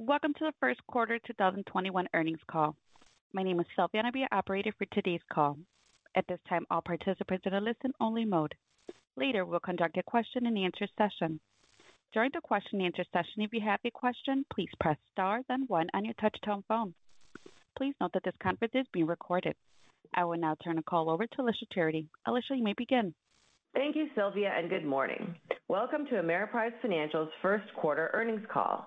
Welcome to the first quarter 2021 earnings call. My name is Sylvia, and I'll be your operator for today's call. At this time, all participants are in a listen-only mode. Later, we'll conduct a question and answer session. During the question and answer session, if you have a question, please press star then one on your touch-tone phone. I will now turn the call over to Alicia Charity. Alicia, you may begin. Thank you, Sylvia, and good morning. Welcome to Ameriprise Financial's first quarter earnings call.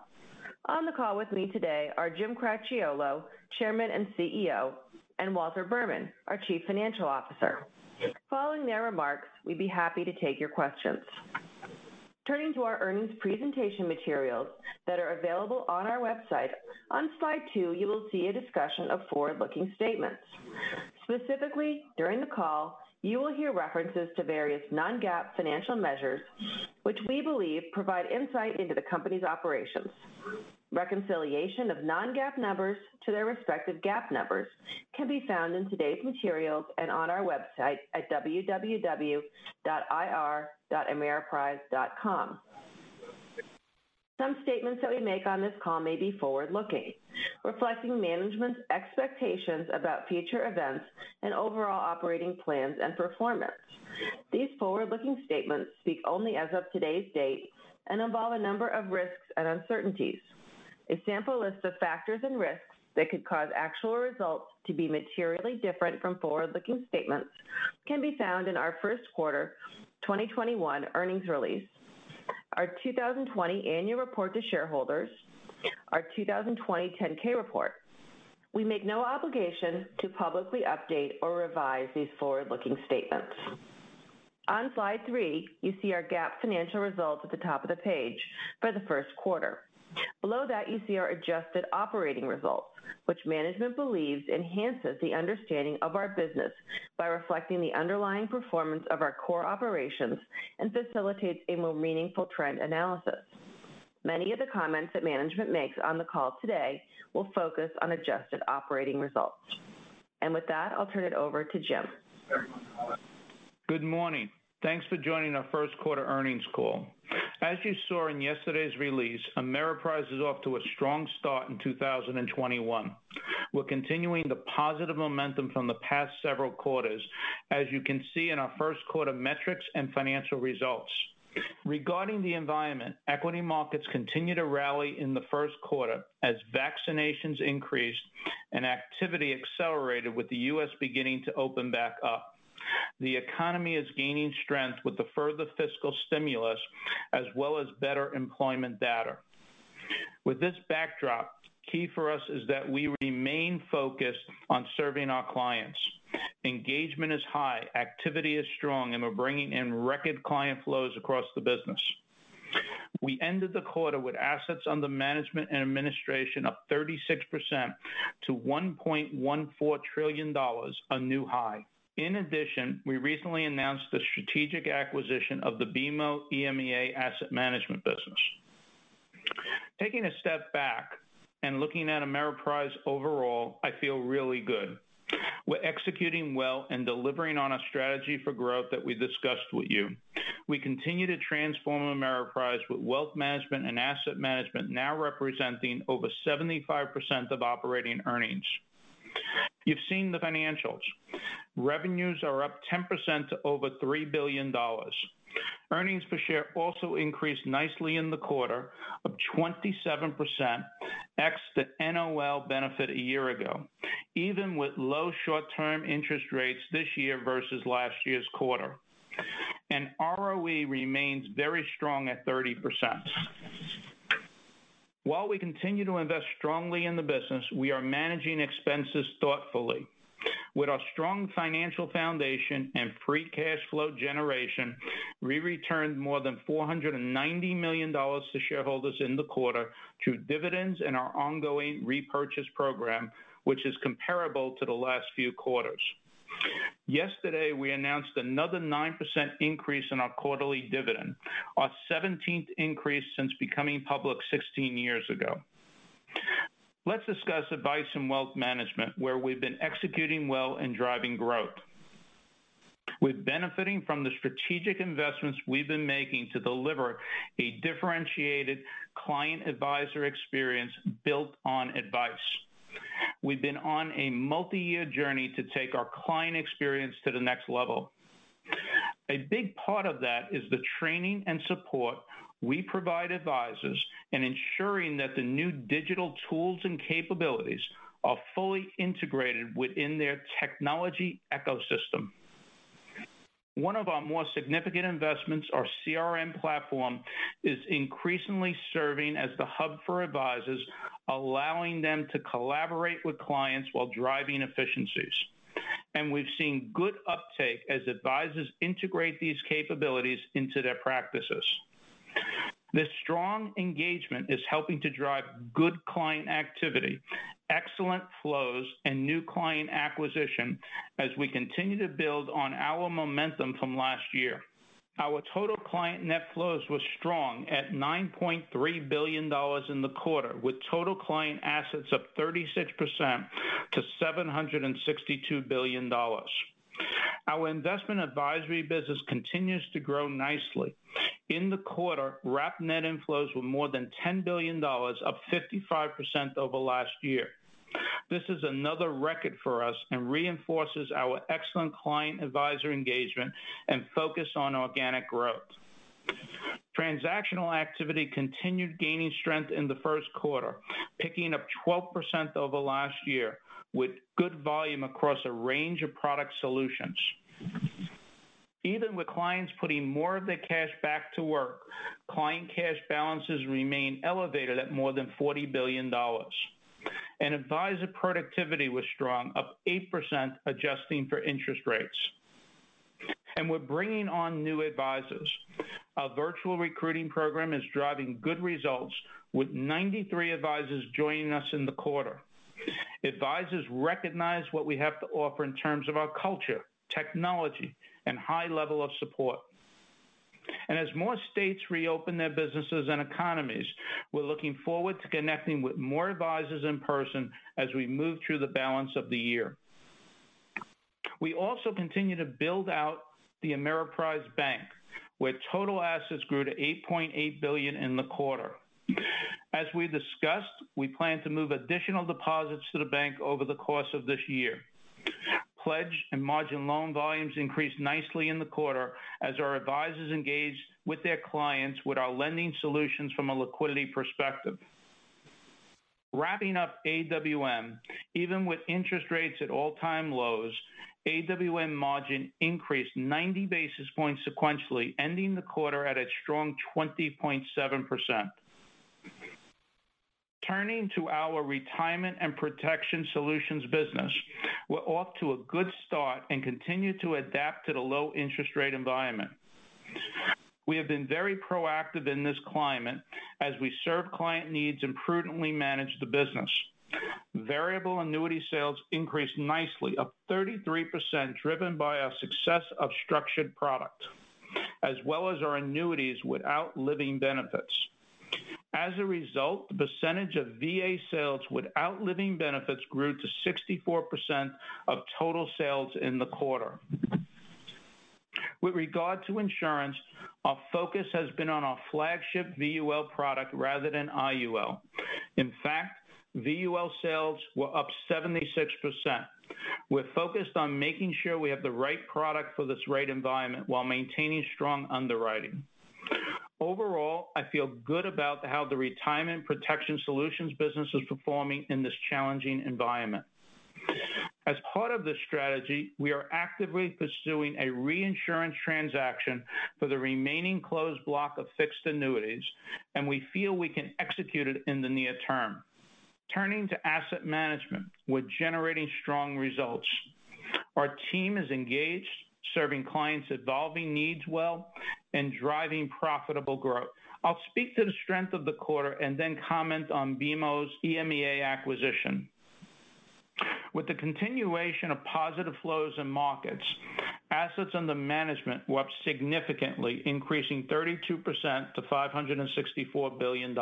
On the call with me today are Jim Cracchiolo, Chairman and CEO, and Walter Berman, our Chief Financial Officer. Following their remarks, we'd be happy to take your questions. Turning to our earnings presentation materials that are available on our website, on slide two you will see a discussion of forward-looking statements. Specifically, during the call, you will hear references to various non-GAAP financial measures which we believe provide insight into the company's operations. Reconciliation of non-GAAP numbers to their respective GAAP numbers can be found in today's materials and on our website at www.ir.ameriprise.com. Some statements that we make on this call may be forward looking, reflecting management's expectations about future events and overall operating plans and performance. These forward-looking statements speak only as of today's date and involve a number of risks and uncertainties. A sample list of factors and risks that could cause actual results to be materially different from forward-looking statements can be found in our first quarter 2021 earnings release, our 2020 annual report to shareholders, our 2020 10-K report. We make no obligation to publicly update or revise these forward-looking statements. On slide three, you see our GAAP financial results at the top of the page for the first quarter. Below that, you see our adjusted operating results, which management believes enhances the understanding of our business by reflecting the underlying performance of our core operations and facilitates a more meaningful trend analysis. Many of the comments that management makes on the call today will focus on adjusted operating results. With that, I'll turn it over to Jim. Good morning. Thanks for joining our first quarter earnings call. As you saw in yesterday's release, Ameriprise is off to a strong start in 2021. We're continuing the positive momentum from the past several quarters, as you can see in our first quarter metrics and financial results. Regarding the environment, equity markets continued to rally in the first quarter as vaccinations increased and activity accelerated with the U.S. beginning to open back up. The economy is gaining strength with the further fiscal stimulus as well as better employment data. With this backdrop, key for us is that we remain focused on serving our clients. Engagement is high, activity is strong, and we're bringing in record client flows across the business. We ended the quarter with assets under management and administration up 36% to $1.14 trillion, a new high. We recently announced the strategic acquisition of the BMO EMEA asset management business. Taking a step back and looking at Ameriprise overall, I feel really good. We're executing well and delivering on a strategy for growth that we discussed with you. We continue to transform Ameriprise with wealth management and asset management now representing over 75% of operating earnings. You've seen the financials. Revenues are up 10% to over $3 billion. Earnings per share also increased nicely in the quarter of 27%, ex the NOL benefit a year ago, even with low short-term interest rates this year versus last year's quarter. ROE remains very strong at 30%. While we continue to invest strongly in the business, we are managing expenses thoughtfully. With our strong financial foundation and free cash flow generation, we returned more than $490 million to shareholders in the quarter through dividends and our ongoing repurchase program, which is comparable to the last few quarters. Yesterday, we announced another 9% increase in our quarterly dividend, our 17th increase since becoming public 16 years ago. Let's discuss Advice & Wealth Management, where we've been executing well and driving growth. We're benefiting from the strategic investments we've been making to deliver a differentiated client advisor experience built on advice. We've been on a multi-year journey to take our client experience to the next level. A big part of that is the training and support we provide advisors in ensuring that the new digital tools and capabilities are fully integrated within their technology ecosystem. One of our more significant investments, our CRM platform, is increasingly serving as the hub for advisors, allowing them to collaborate with clients while driving efficiencies. We've seen good uptake as advisors integrate these capabilities into their practices. This strong engagement is helping to drive good client activity, excellent flows, and new client acquisition as we continue to build on our momentum from last year. Our total client net flows were strong at $9.3 billion in the quarter, with total client assets up 36% to $762 billion. Our investment advisory business continues to grow nicely. In the quarter, wrap net inflows were more than $10 billion, up 55% over last year. This is another record for us and reinforces our excellent client advisor engagement and focus on organic growth. Transactional activity continued gaining strength in the first quarter, picking up 12% over last year with good volume across a range of product solutions. Even with clients putting more of their cash back to work, client cash balances remain elevated at more than $40 billion. Advisor productivity was strong, up 8% adjusting for interest rates. We're bringing on new advisors. Our virtual recruiting program is driving good results with 93 advisors joining us in the quarter. Advisors recognize what we have to offer in terms of our culture, technology, and high level of support. As more states reopen their businesses and economies, we're looking forward to connecting with more advisors in person as we move through the balance of the year. We also continue to build out the Ameriprise Bank, where total assets grew to $8.8 billion in the quarter. As we discussed, we plan to move additional deposits to the Ameriprise Bank over the course of this year. Pledge and margin loan volumes increased nicely in the quarter as our advisors engaged with their clients with our lending solutions from a liquidity perspective. Wrapping up AWM, even with interest rates at all-time lows, AWM margin increased 90 basis points sequentially, ending the quarter at a strong 20.7%. Turning to our retirement and protection solutions business, we're off to a good start and continue to adapt to the low interest rate environment. We have been very proactive in this climate as we serve client needs and prudently manage the business. Variable annuity sales increased nicely, up 33%, driven by our success of structured product, as well as our annuities without living benefits. As a result, the percentage of VA sales without living benefits grew to 64% of total sales in the quarter. With regard to insurance, our focus has been on our flagship VUL product rather than IUL. In fact, VUL sales were up 76%. We're focused on making sure we have the right product for this rate environment while maintaining strong underwriting. Overall, I feel good about how the retirement protection solutions business is performing in this challenging environment. As part of this strategy, we are actively pursuing a reinsurance transaction for the remaining closed block of fixed annuities, and we feel we can execute it in the near term. Turning to asset management, we're generating strong results. Our team is engaged, serving clients' evolving needs well, and driving profitable growth. I'll speak to the strength of the quarter and then comment on BMO's EMEA acquisition. With the continuation of positive flows in markets, assets under management were up significantly, increasing 32% to $564 billion.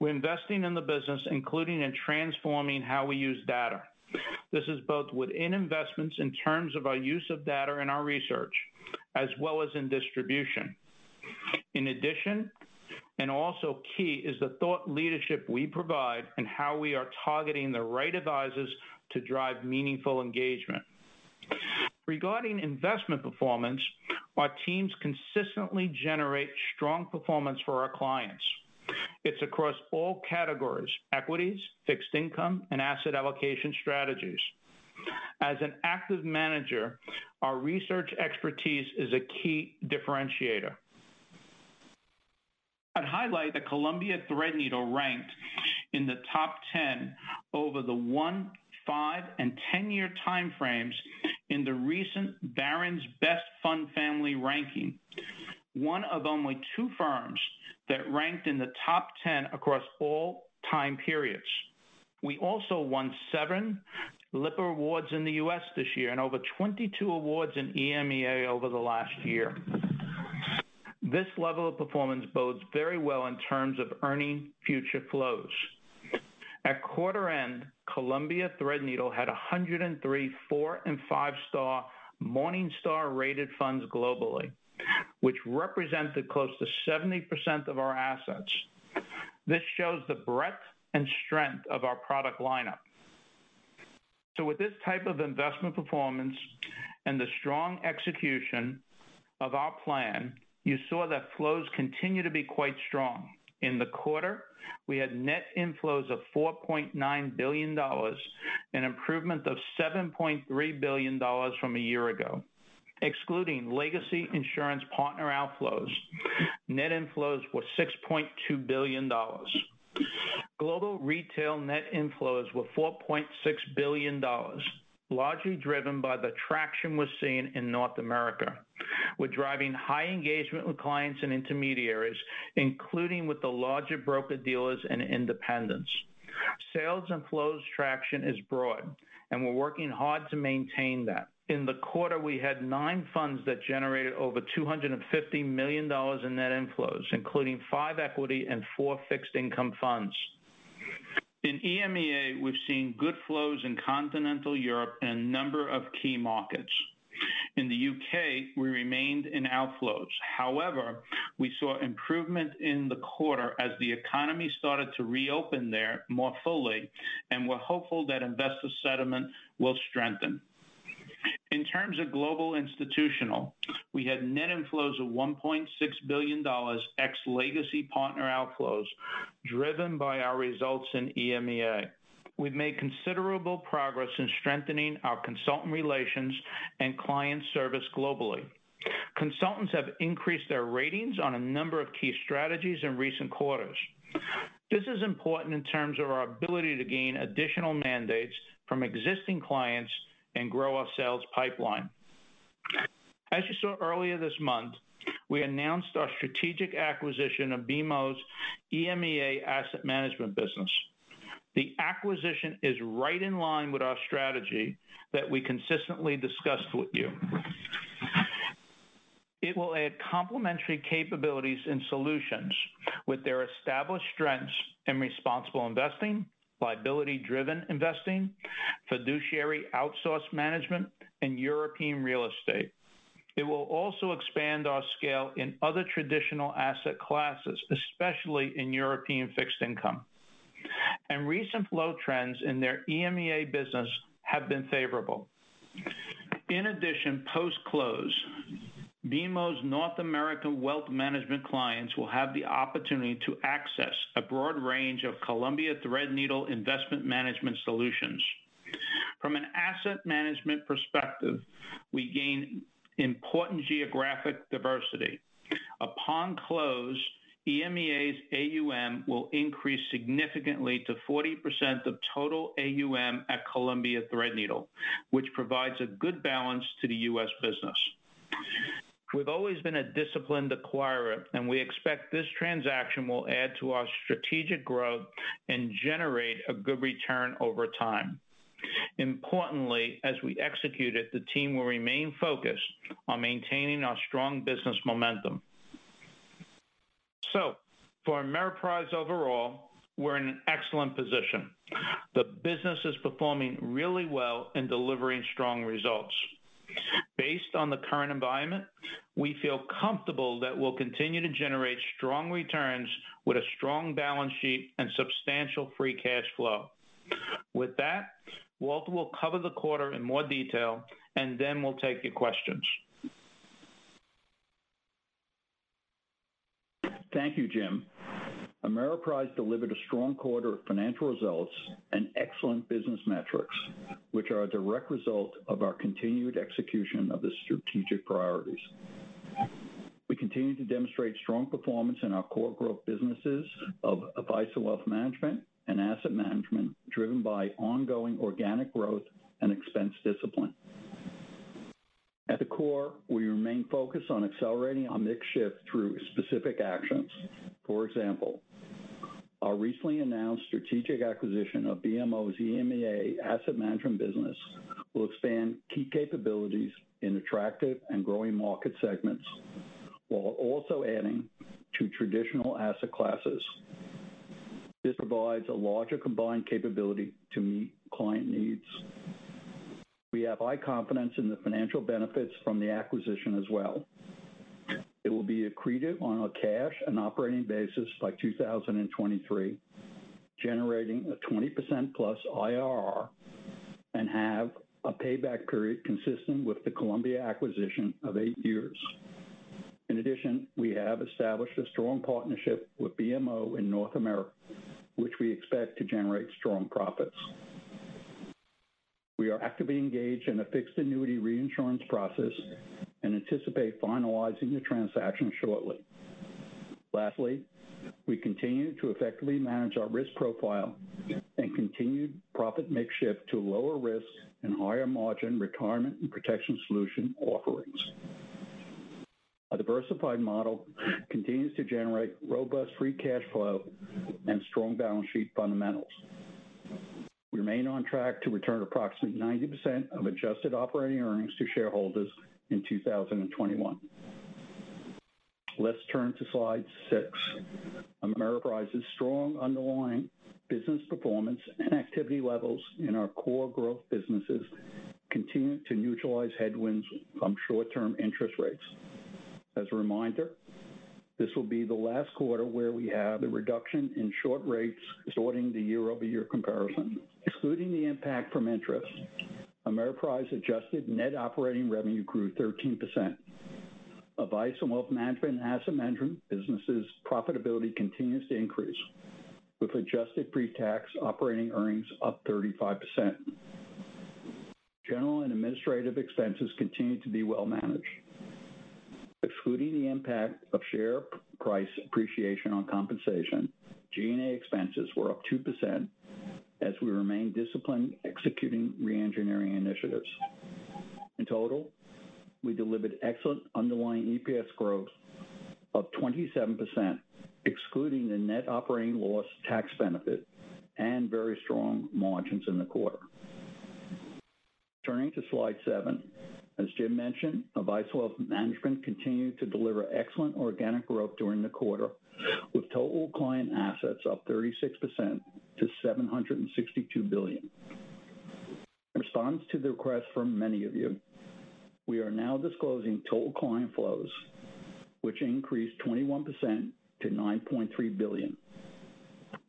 We're investing in the business, including in transforming how we use data. This is both within investments in terms of our use of data in our research, as well as in distribution. In addition, and also key, is the thought leadership we provide and how we are targeting the right advisors to drive meaningful engagement. Regarding investment performance, our teams consistently generate strong performance for our clients. It's across all categories, equities, fixed income, and asset allocation strategies. As an active manager, our research expertise is a key differentiator. I'd highlight that Columbia Threadneedle ranked in the top 10 over the one, five, and 10-year time frames in the recent Barron's Best Fund Families ranking, one of only two firms that ranked in the top 10 across all time periods. We also won seven Lipper awards in the U.S. this year and over 22 awards in EMEA over the last year. This level of performance bodes very well in terms of earning future flows. At quarter end, Columbia Threadneedle had 103 four and five-star Morningstar rated funds globally, which represented close to 70% of our assets. This shows the breadth and strength of our product lineup. With this type of investment performance and the strong execution of our plan, you saw that flows continue to be quite strong. In the quarter, we had net inflows of $4.9 billion, an improvement of $7.3 billion from a year ago. Excluding legacy insurance partner outflows, net inflows were $6.2 billion. Global retail net inflows were $4.6 billion, largely driven by the traction we're seeing in North America. We're driving high engagement with clients and intermediaries, including with the larger broker-dealers and independents. Sales and flows traction is broad, and we're working hard to maintain that. In the quarter, we had nine funds that generated over $250 million in net inflows, including five equity and four fixed income funds. In EMEA, we've seen good flows in continental Europe and a number of key markets. In the U.K., we remained in outflows. However, we saw improvement in the quarter as the economy started to reopen there more fully, and we're hopeful that investor sentiment will strengthen. In terms of global institutional, we had net inflows of $1.6 billion, ex legacy partner outflows, driven by our results in EMEA. We've made considerable progress in strengthening our consultant relations and client service globally. Consultants have increased their ratings on a number of key strategies in recent quarters. This is important in terms of our ability to gain additional mandates from existing clients and grow our sales pipeline. As you saw earlier this month, we announced our strategic acquisition of BMO's EMEA asset management business. The acquisition is right in line with our strategy that we consistently discussed with you. It will add complementary capabilities and solutions with their established strengths in responsible investing, liability-driven investing, fiduciary outsourced management, and European real estate. Recent flow trends in their EMEA business have been favorable. In addition, post-close, BMO's North American wealth management clients will have the opportunity to access a broad range of Columbia Threadneedle investment management solutions. From an asset management perspective, we gain important geographic diversity. Upon close, EMEA's AUM will increase significantly to 40% of total AUM at Columbia Threadneedle, which provides a good balance to the U.S. business. We've always been a disciplined acquirer, and we expect this transaction will add to our strategic growth and generate a good return over time. Importantly, as we execute it, the team will remain focused on maintaining our strong business momentum. For Ameriprise overall, we're in an excellent position. The business is performing really well and delivering strong results. Based on the current environment, we feel comfortable that we'll continue to generate strong returns with a strong balance sheet and substantial free cash flow. With that, Walter will cover the quarter in more detail, and then we'll take your questions. Thank you, Jim. Ameriprise delivered a strong quarter of financial results and excellent business metrics, which are a direct result of our continued execution of the strategic priorities. We continue to demonstrate strong performance in our core growth businesses of advice and wealth management and asset management, driven by ongoing organic growth and expense discipline. At the core, we remain focused on accelerating our mix shift through specific actions. For example, our recently announced strategic acquisition of BMO's EMEA asset management business will expand key capabilities in attractive and growing market segments, while also adding to traditional asset classes. This provides a larger combined capability to meet client needs. We have high confidence in the financial benefits from the acquisition as well. It will be accretive on a cash and operating basis by 2023, generating a 20%+ IRR, and have a payback period consistent with the Columbia acquisition of eight years. In addition, we have established a strong partnership with BMO in North America, which we expect to generate strong profits. We are actively engaged in a fixed annuity reinsurance process and anticipate finalizing the transaction shortly. Lastly, we continue to effectively manage our risk profile and continued profit mix shift to lower risk and higher margin retirement and protection solution offerings. Our diversified model continues to generate robust free cash flow and strong balance sheet fundamentals. We remain on track to return approximately 90% of adjusted operating earnings to shareholders in 2021. Let's turn to slide six. Ameriprise's strong underlying business performance and activity levels in our core growth businesses continue to neutralize headwinds from short-term interest rates. As a reminder, this will be the last quarter where we have the reduction in short rates distorting the year-over-year comparison. Excluding the impact from interest, Ameriprise Financial adjusted net operating revenue grew 13%. Advice and wealth management and asset management businesses' profitability continues to increase, with adjusted pre-tax operating earnings up 35%. General and administrative expenses continue to be well managed. Excluding the impact of share price appreciation on compensation, G&A expenses were up 2% as we remain disciplined executing re-engineering initiatives. In total, we delivered excellent underlying EPS growth of 27%, excluding the net operating loss tax benefit and very strong margins in the quarter. Turning to slide seven. As Jim mentioned, advice and wealth management continued to deliver excellent organic growth during the quarter, with total client assets up 36% to $762 billion. In response to the request from many of you, we are now disclosing total client flows, which increased 21% to $9.3 billion.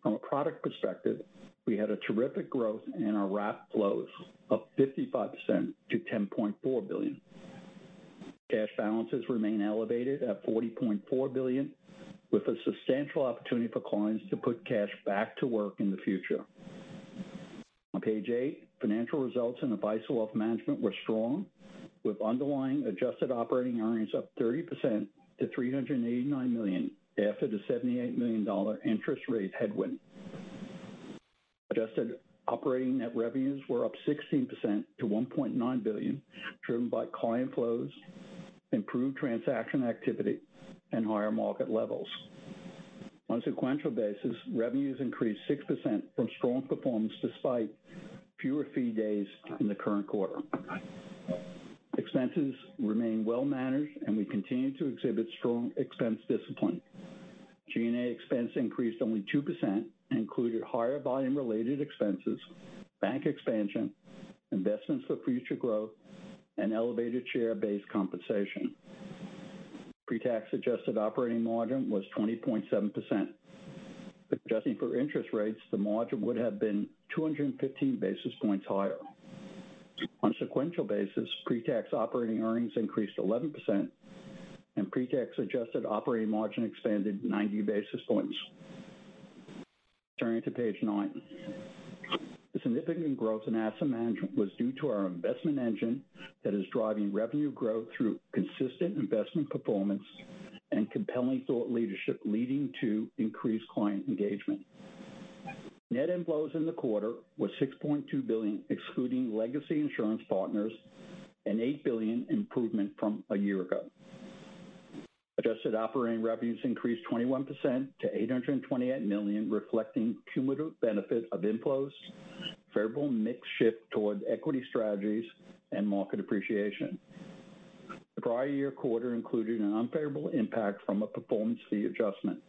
From a product perspective, we had a terrific growth in our wrap flows up 55% to $10.4 billion. Cash balances remain elevated at $40.4 billion, with a substantial opportunity for clients to put cash back to work in the future. On page eight, financial results in advice and wealth management were strong, with underlying adjusted operating earnings up 30% to $389 million after the $78 million interest rate headwind. Adjusted operating net revenues were up 16% to $1.9 billion, driven by client flows, improved transaction activity, and higher market levels. On a sequential basis, revenues increased 6% from strong performance despite fewer fee days in the current quarter. Expenses remain well managed, and we continue to exhibit strong expense discipline. G&A expense increased only 2% and included higher volume-related expenses, bank expansion, investments for future growth, and elevated share-based compensation. Pre-tax adjusted operating margin was 20.7%. Adjusting for interest rates, the margin would have been 215 basis points higher. On a sequential basis, pre-tax operating earnings increased 11%, and pre-tax adjusted operating margin expanded 90 basis points. Turning to page nine. The significant growth in asset management was due to our investment engine that is driving revenue growth through consistent investment performance and compelling thought leadership, leading to increased client engagement. Net inflows in the quarter were $6.2 billion, excluding legacy insurance partners, an $8 billion improvement from a year ago. Adjusted operating revenues increased 21% to $828 million, reflecting cumulative benefit of inflows, favorable mix shift towards equity strategies, and market appreciation. The prior year quarter included an unfavorable impact from a performance fee adjustment.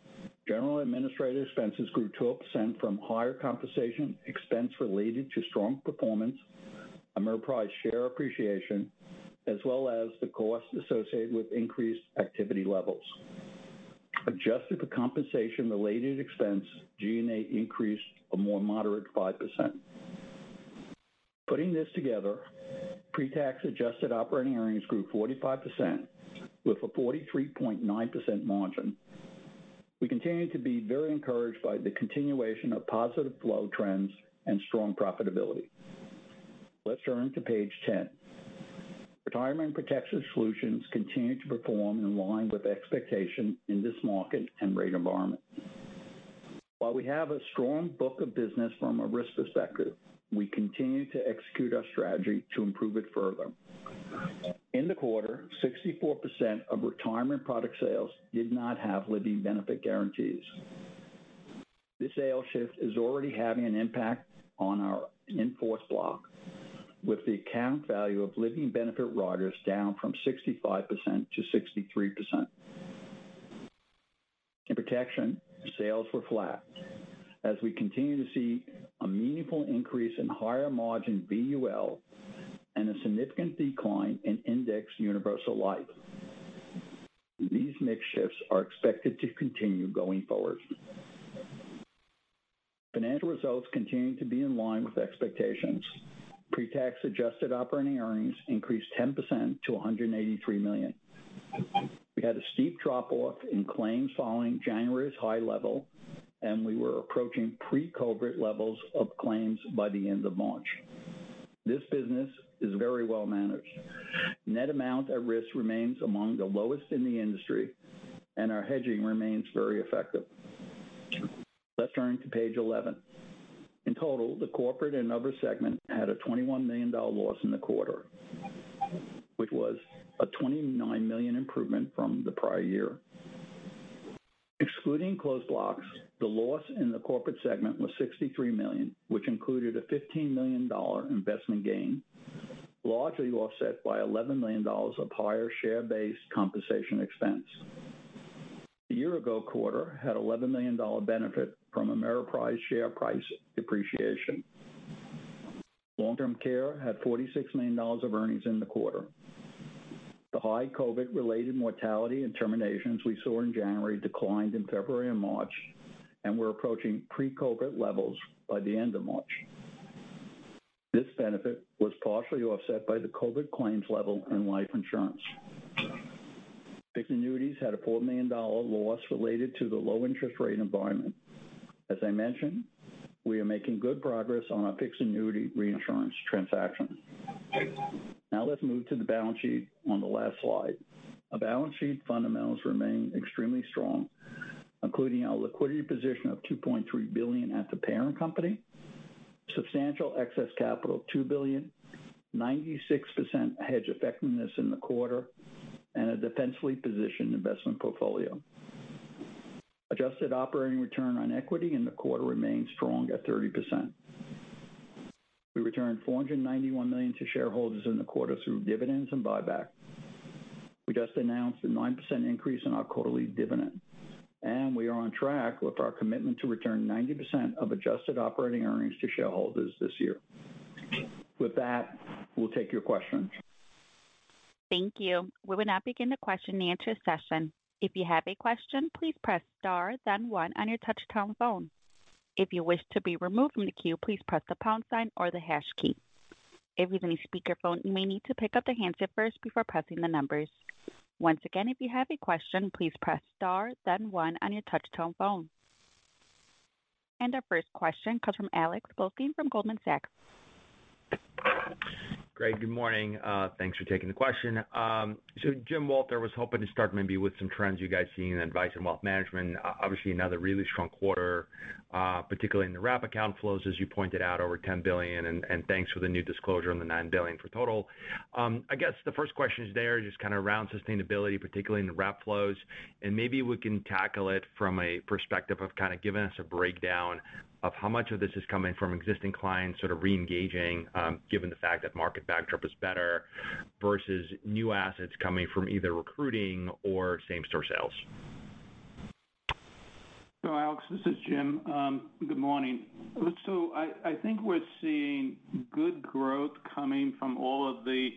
General administrative expenses grew 2% from higher compensation expense related to strong performance, Ameriprise share appreciation, as well as the cost associated with increased activity levels. Adjusted for compensation-related expense, G&A increased a more moderate 5%. Putting this together, pre-tax adjusted operating earnings grew 45% with a 43.9% margin. We continue to be very encouraged by the continuation of positive flow trends and strong profitability. Let's turn to page 10. Retirement protection solutions continue to perform in line with expectations in this market and rate environment. While we have a strong book of business from a risk perspective, we continue to execute our strategy to improve it further. In the quarter, 64% of retirement product sales did not have living benefit guarantees. This sales shift is already having an impact on our in-force block, with the account value of living benefit riders down from 65% to 63%. In protection, sales were flat as we continue to see a meaningful increase in higher margin VUL and a significant decline in index universal life. These mix shifts are expected to continue going forward. Financial results continue to be in line with expectations. Pre-tax adjusted operating earnings increased 10% to $183 million. We had a steep drop-off in claims following January's high level, and we were approaching pre-COVID levels of claims by the end of March. This business is very well managed. Net amount at risk remains among the lowest in the industry, and our hedging remains very effective. Let's turn to page 11. In total, the corporate and other segment had a $21 million loss in the quarter, which was a $29 million improvement from the prior year. Excluding closed blocks, the loss in the corporate segment was $63 million, which included a $15 million investment gain, largely offset by $11 million of higher share-based compensation expense. The year-ago quarter had $11 million benefit from Ameriprise share price appreciation. Long-term care had $46 million of earnings in the quarter. The high COVID-related mortality and terminations we saw in January declined in February and March, and were approaching pre-COVID levels by the end of March. This benefit was partially offset by the COVID claims level in life insurance. Fixed annuities had a $4 million loss related to the low interest rate environment. As I mentioned, we are making good progress on our fixed annuity reinsurance transaction. Let's move to the balance sheet on the last slide. Our balance sheet fundamentals remain extremely strong, including our liquidity position of $2.3 billion at the parent company, substantial excess capital of $2 billion, 96% hedge effectiveness in the quarter, and a defensively positioned investment portfolio. Adjusted operating return on equity in the quarter remains strong at 30%. We returned $491 million to shareholders in the quarter through dividends and buyback. We just announced a 9% increase in our quarterly dividend, and we are on track with our commitment to return 90% of adjusted operating earnings to shareholders this year. With that, we'll take your questions. Thank you. We will now begin the question and answer session. If you have a question, please press star then one on your touchtone phone. If you wish to be removed from the queue, please press the pound sign or the hash key. If you're using the speakerphone, you may need to pick up the handset first before pressing the numbers. Once again if you have a question, please press star then one on your touchtone phone. Our first question comes from Alex Blostein from Goldman Sachs. Greg, good morning. Thanks for taking the question. Jim, Walter was hoping to start maybe with some trends you guys see in advice and wealth management. Obviously another really strong quarter, particularly in the wrap account flows as you pointed out, over $10 billion, and thanks for the new disclosure on the $9 billion for total. I guess the first question is there, just kind of around sustainability, particularly in the wrap flows. Maybe we can tackle it from a perspective of kind of giving us a breakdown of how much of this is coming from existing clients reengaging, given the fact that market backdrop is better, versus new assets coming from either recruiting or same-store sales. Alex, this is Jim. Good morning. I think we're seeing good growth coming from all of the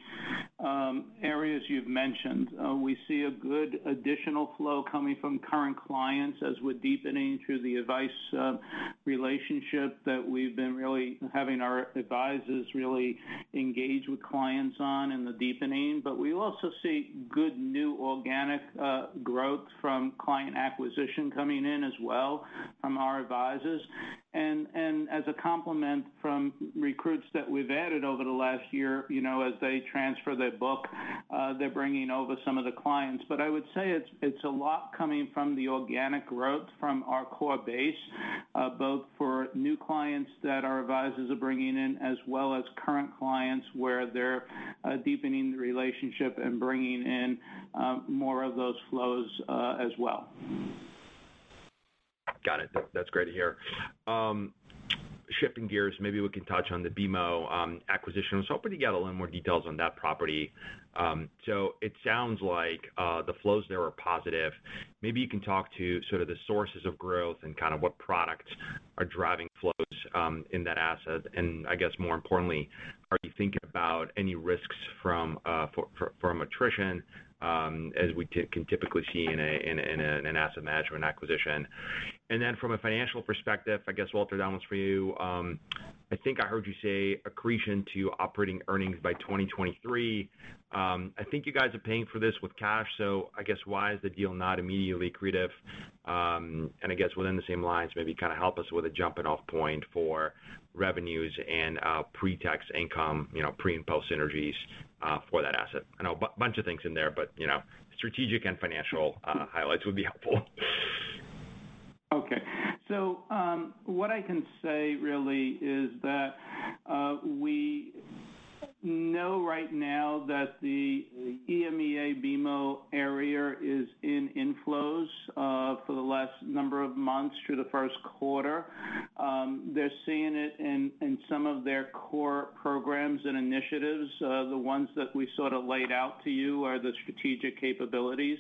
areas you've mentioned. We see a good additional flow coming from current clients as we're deepening through the advice relationship that we've been really having our advisors really engage with clients on and the deepening. We also see good new organic growth from client acquisition coming in as well from our advisors. As a complement from recruits that we've added over the last year, as they transfer their book, they're bringing over some of the clients. I would say it's a lot coming from the organic growth from our core base, both for new clients that our advisors are bringing in as well as current clients where they're deepening the relationship and bringing in more of those flows as well. Got it. That's great to hear. Shifting gears, maybe we can touch on the BMO acquisition. I was hoping to get a little more details on that property. It sounds like the flows there are positive. Maybe you can talk to sort of the sources of growth and kind of what products are driving flows in that asset, and I guess more importantly, are you thinking about any risks from attrition, as we can typically see in an asset management acquisition. From a financial perspective, I guess Walter, that one's for you. I think I heard you say accretion to operating earnings by 2023. I think you guys are paying for this with cash, so I guess why is the deal not immediately accretive? I guess within the same lines, maybe kind of help us with a jumping-off point for revenues and pre-tax income, pre and post synergies for that asset. I know a bunch of things in there, but strategic and financial highlights would be helpful. What I can say really is that we know right now that the EMEA BMO is in inflows for the last number of months through the first quarter. They're seeing it in some of their core programs and initiatives. The ones that we sort of laid out to you are the strategic capabilities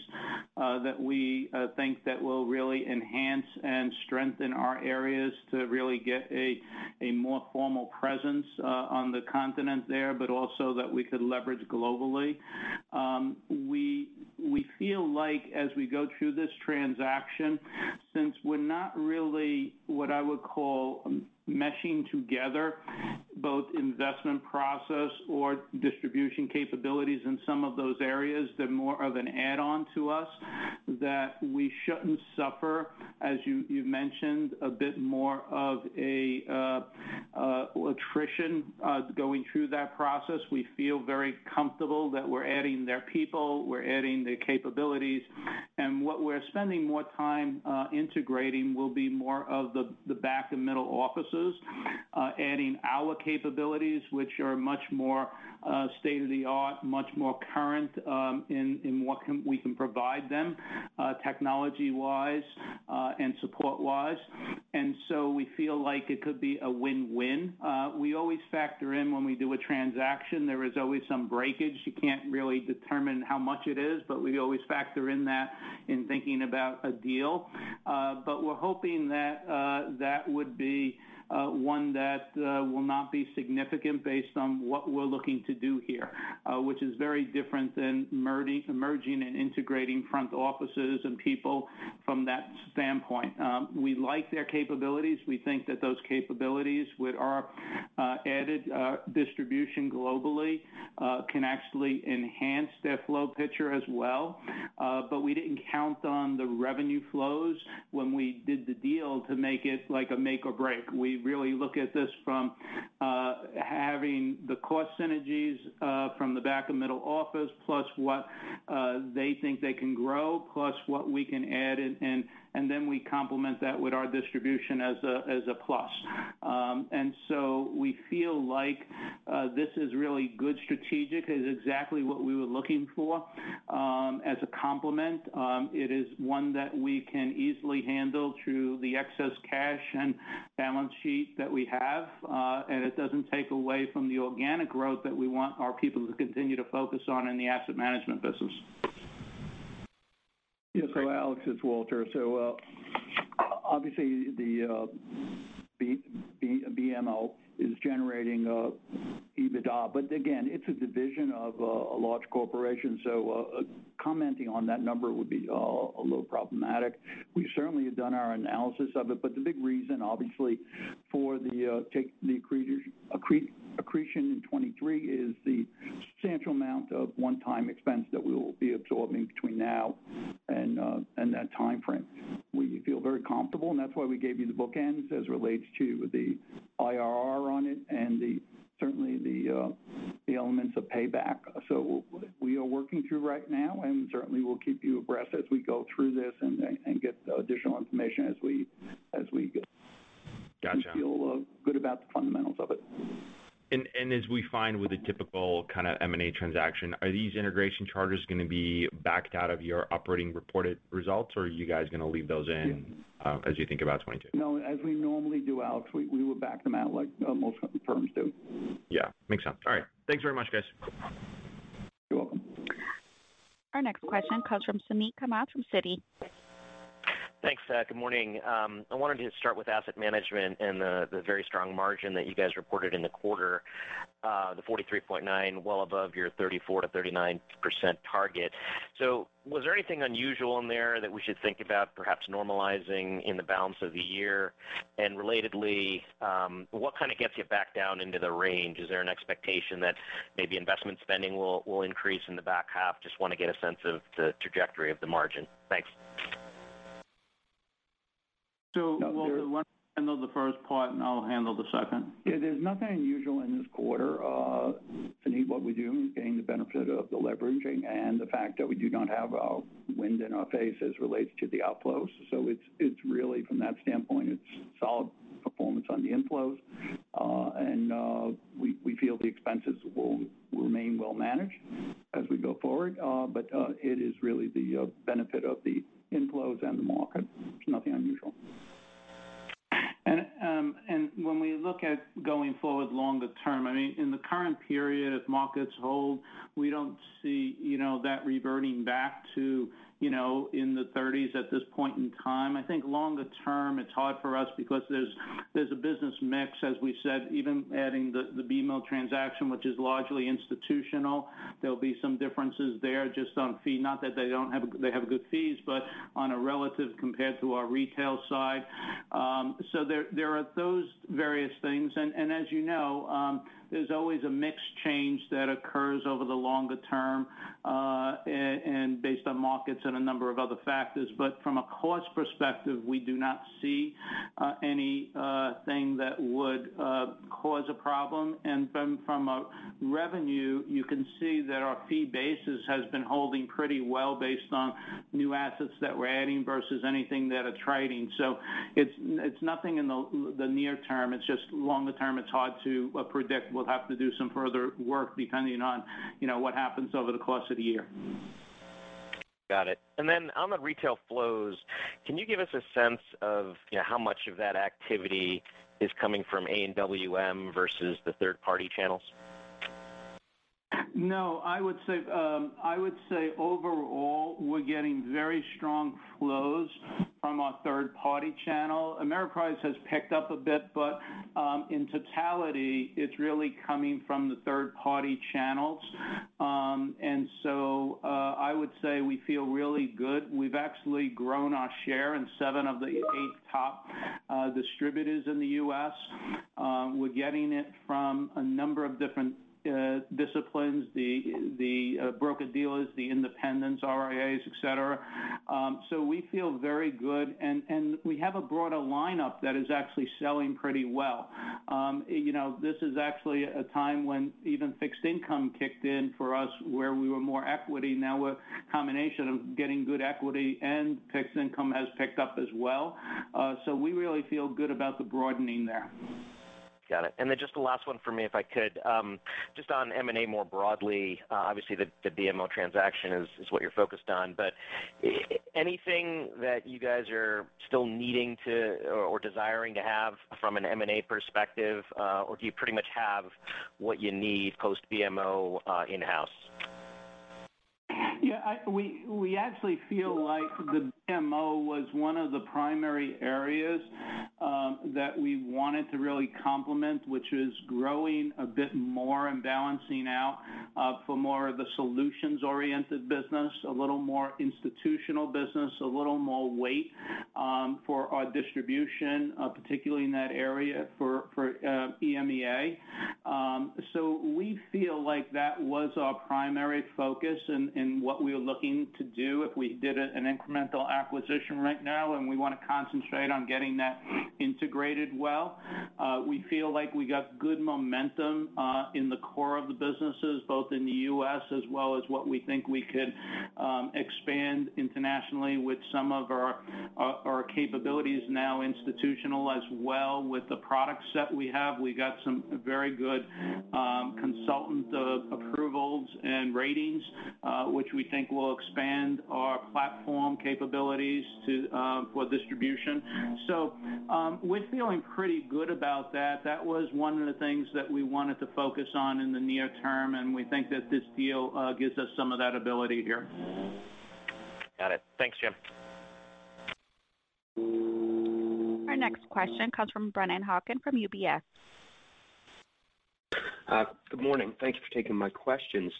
that we think that will really enhance and strengthen our areas to really get a more formal presence on the continent there, but also that we could leverage globally. We feel like as we go through this transaction, since we're not really what I would call meshing together both investment process or distribution capabilities in some of those areas, they're more of an add-on to us, that we shouldn't suffer, as you mentioned, a bit more of attrition going through that process. We feel very comfortable that we're adding their people, we're adding their capabilities, and what we're spending more time integrating will be more of the back and middle offices, adding our capabilities, which are much more state-of-the-art, much more current in what we can provide them, technology-wise, and support-wise. We feel like it could be a win-win. We always factor in when we do a transaction, there is always some breakage. You can't really determine how much it is, but we always factor in that in thinking about a deal. We're hoping that that would be one that will not be significant based on what we're looking to do here, which is very different than merging and integrating front offices and people from that standpoint. We like their capabilities. We think that those capabilities with our added distribution globally can actually enhance their flow picture as well. We didn't count on the revenue flows when we did the deal to make it like a make or break. We really look at this from having the cost synergies from the back and middle office, plus what they think they can grow, plus what we can add in, and then we complement that with our distribution as a plus. We feel like this is really good strategic. It's exactly what we were looking for. As a complement, it is one that we can easily handle through the excess cash and balance sheet that we have, and it doesn't take away from the organic growth that we want our people to continue to focus on in the asset management business. Yes. Alex, it's Walter. Obviously the BMO is generating EBITDA, but again, it's a division of a large corporation, so commenting on that number would be a little problematic. We certainly have done our analysis of it, the big reason, obviously, for the accretion in 2023 is the substantial amount of one-time expense that we will be absorbing between now and that timeframe. We feel very comfortable, that's why we gave you the bookends as relates to the IRR on it and certainly the elements of payback. We are working through right now, and certainly we'll keep you abreast as we go through this and get additional information as we go. Got you. We feel good about the fundamentals of it. As we find with a typical kind of M&A transaction, are these integration charters going to be backed out of your operating reported results, or are you guys going to leave those in as you think about 2022? No, as we normally do, Alex, we will back them out like most firms do. Yeah, makes sense. All right. Thanks very much, guys. You're welcome. Our next question comes from Suneet Kamath from Citi. Thanks. Good morning. I wanted to start with asset management and the very strong margin that you guys reported in the quarter, the 43.9%, well above your 34%-39% target. Was there anything unusual in there that we should think about perhaps normalizing in the balance of the year? Relatedly, what kind of gets you back down into the range? Is there an expectation that maybe investment spending will increase in the back half? I just want to get a sense of the trajectory of the margin. Thanks. Walter will handle the first part, and I'll handle the second. Yeah, there's nothing unusual in this quarter. Suneet, what we do is gain the benefit of the leveraging and the fact that we do not have a wind in our face as relates to the outflows. It's really from that standpoint, it's solid performance on the inflows. We feel the expenses will remain well managed as we go forward. It is really the benefit of the inflows and the market. It's nothing unusual. When we look at going forward longer term, in the current period, if markets hold, we don't see that reverting back to in the 30s at this point in time. I think longer term, it's hard for us because there's a business mix, as we said, even adding the BMO transaction, which is largely institutional. There'll be some differences there just on fee, not that they don't have good fees, but on a relative compared to our retail side. There are those various things, and as you know, there's always a mix change that occurs over the longer term, and based on markets and a number of other factors. From a cost perspective, we do not see anything that would cause a problem. From a revenue, you can see that our fee basis has been holding pretty well based on new assets that we're adding versus anything that are trading. It's nothing in the near term. It's just longer term, it's hard to predict. We'll have to do some further work depending on what happens over the course of the year. Got it. On the retail flows, can you give us a sense of how much of that activity is coming from AWM versus the third-party channels? No, I would say overall, we're getting very strong flows from our third-party channel. Ameriprise has picked up a bit. In totality, it's really coming from the third-party channels. I would say we feel really good. We've actually grown our share in seven of the eight top distributors in the U.S. We're getting it from a number of different disciplines, the broker-dealers, the independents, RIAs, et cetera. We feel very good, and we have a broader lineup that is actually selling pretty well. This is actually a time when even fixed income kicked in for us, where we were more equity. Now a combination of getting good equity and fixed income has picked up as well. We really feel good about the broadening there. Got it. Just the last one for me, if I could, just on M&A more broadly. Obviously, the BMO transaction is what you're focused on. Anything that you guys are still needing to or desiring to have from an M&A perspective? Do you pretty much have what you need post-BMO in-house? Yeah, we actually feel like the BMO was one of the primary areas that we wanted to really complement, which is growing a bit more and balancing out for more of the solutions-oriented business, a little more institutional business, a little more weight for our distribution, particularly in that area for EMEA. We feel like that was our primary focus in what we were looking to do if we did an incremental acquisition right now, and we want to concentrate on getting that integrated well. We feel like we got good momentum in the core of the businesses, both in the U.S. as well as what we think we could expand internationally with some of our capabilities now institutional as well with the product set we have. We got some very good consultant approvals and ratings, which we think will expand our platform capabilities for distribution. We're feeling pretty good about that. That was one of the things that we wanted to focus on in the near term, and we think that this deal gives us some of that ability here. Got it. Thanks, Jim. Our next question comes from Brennan Hawken from UBS. Good morning. Thank you for taking my questions.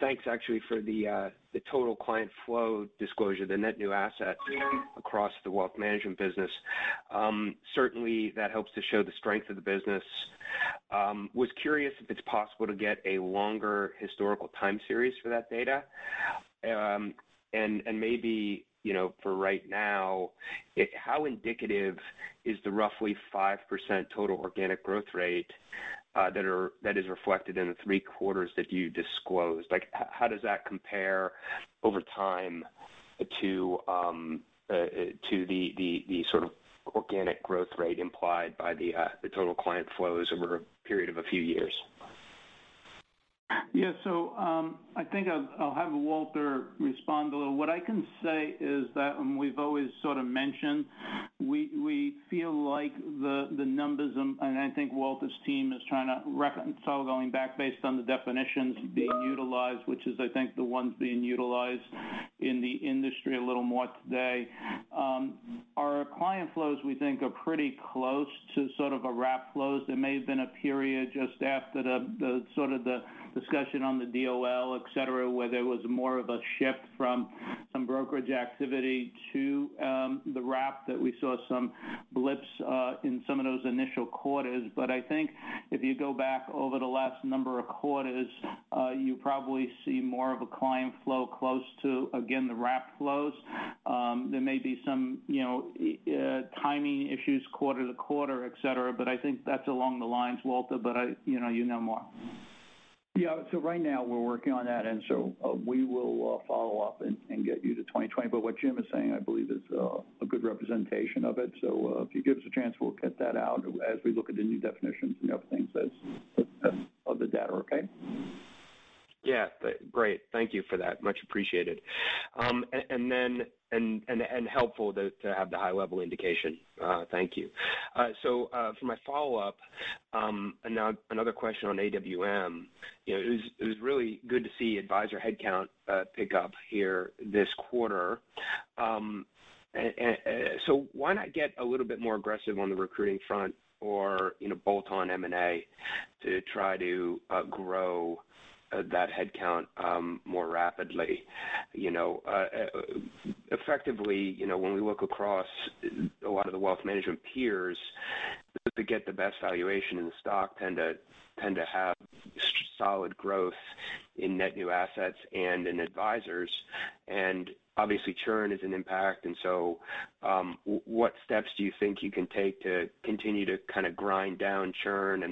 Thanks actually for the total client flow disclosure, the net new assets across the wealth management business. Certainly, that helps to show the strength of the business. I was curious if it's possible to get a longer historical time series for that data. Maybe, for right now, how indicative is the roughly 5% total organic growth rate that is reflected in the three quarters that you disclosed? How does that compare over time to the sort of organic growth rate implied by the total client flows over a period of a few years? I think I'll have Walter respond, although what I can say is that, and we've always sort of mentioned, we feel like the numbers, and I think Walter's team is trying to reconcile going back based on the definitions being utilized, which is, I think, the ones being utilized in the industry a little more today. Our client flows, we think, are pretty close to sort of our wrap flows. There may have been a period just after the sort of the discussion on the DOL, et cetera, where there was more of a shift from some brokerage activity to the wrap that we saw some blips in some of those initial quarters. I think if you go back over the last number of quarters, you probably see more of a client flow close to, again, the wrap flows. There may be some timing issues quarter to quarter, et cetera, but I think that's along the lines, Walter, but you know more. Right now we're working on that, we will follow up and get you to 2020. What Jim is saying, I believe, is a good representation of it. If you give us a chance, we'll get that out as we look at the new definitions and other things of the data, okay? Yeah. Great. Thank you for that. Much appreciated. And helpful to have the high-level indication. Thank you. For my follow-up, another question on AWM. It was really good to see advisor head count pick up here this quarter. Why not get a little bit more aggressive on the recruiting front or bolt on M&A to try to grow that head count more rapidly? Effectively, when we look across a lot of the wealth management peers to get the best valuation in the stock tend to have solid growth in net new assets and in advisors. Obviously churn is an impact. What steps do you think you can take to continue to kind of grind down churn?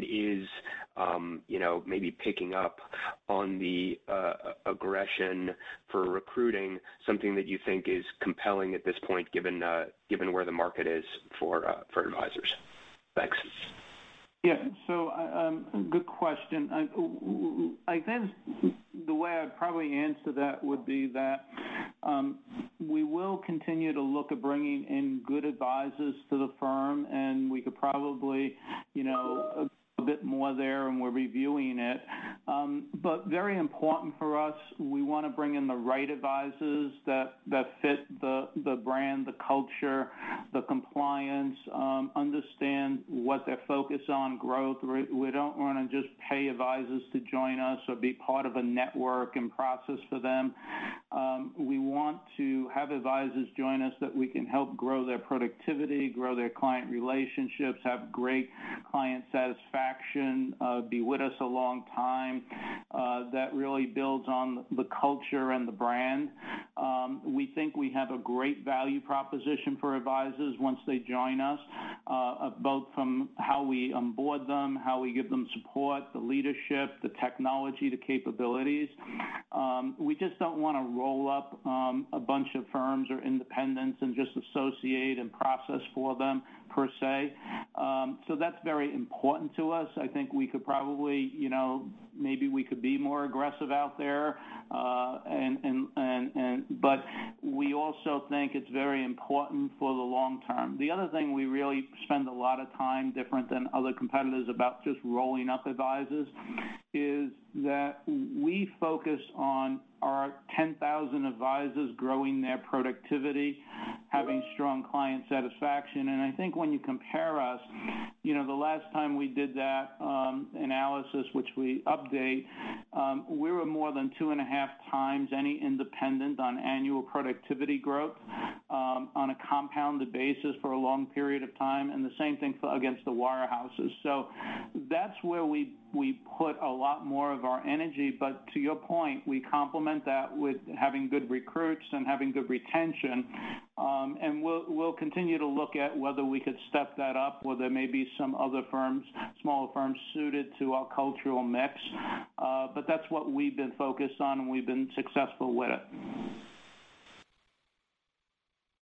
Is maybe picking up on the aggression for recruiting something that you think is compelling at this point, given where the market is for advisors? Thanks. Good question. I guess the way I'd probably answer that would be that we will continue to look at bringing in good advisors to the firm, and we could probably a bit more there, and we're reviewing it. Very important for us, we want to bring in the right advisors that fit the brand, the culture, the compliance, understand what their focus on growth. We don't want to just pay advisors to join us or be part of a network and process for them. We want to have advisors join us that we can help grow their productivity, grow their client relationships, have great client satisfaction, be with us a long time. That really builds on the culture and the brand. We think we have a great value proposition for advisors once they join us, both from how we onboard them, how we give them support, the leadership, the technology, the capabilities. We just don't want to roll up a bunch of firms or independents and just associate and process for them, per se. That's very important to us. I think we could probably, maybe we could be more aggressive out there. We also think it's very important for the long term. The other thing we really spend a lot of time, different than other competitors about just rolling up advisors, is that we focus on our 10,000 advisors growing their productivity, having strong client satisfaction. I think when you compare us, the last time we did that analysis which we update. We were more than two and a half times any independent on annual productivity growth on a compounded basis for a long period of time, and the same thing against the wirehouses. That's where we put a lot more of our energy. To your point, we complement that with having good recruits and having good retention. We'll continue to look at whether we could step that up, where there may be some other firms, smaller firms suited to our cultural mix. That's what we've been focused on, and we've been successful with it.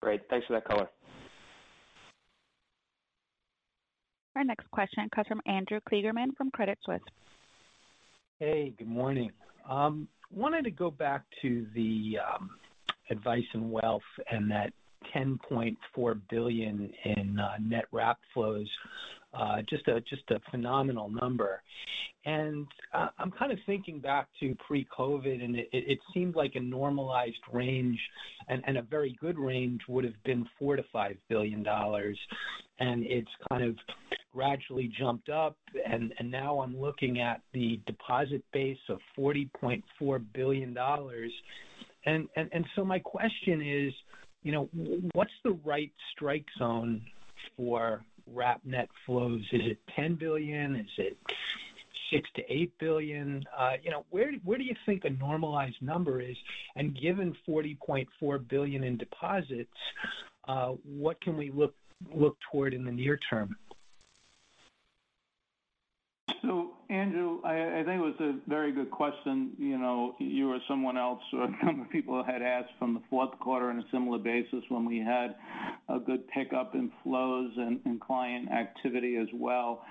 Great. Thanks for that color. Our next question comes from Andrew Kligerman from Credit Suisse. Hey, good morning. Wanted to go back to the advice in wealth and that $10.4 billion in net wrap flows, just a phenomenal number. I'm kind of thinking back to pre-COVID, and it seemed like a normalized range, and a very good range would've been $4 billion-$5 billion. It's kind of gradually jumped up, and now I'm looking at the deposit base of $40.4 billion. My question is, what's the right strike zone for wrap net flows? Is it $10 billion? Is it $6 billion-$8 billion? Where do you think a normalized number is? Given $40.4 billion in deposits, what can we look toward in the near term? Andrew, I think it was a very good question. You or someone else or a number of people had asked from the fourth quarter on a similar basis when we had a good pickup in flows and client activity as well.